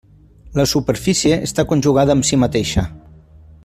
La superfície està conjugada amb si mateixa.